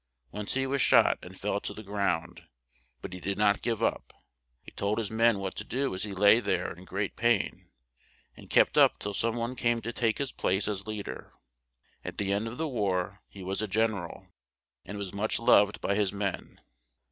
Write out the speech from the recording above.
Once he was shot and fell to the ground; but he did not give up; he told his men what to do as he lay there in great pain, and kept up till some one came to take his place as lead er. At the end of the war, he was a gen er al; and was much loved by his men.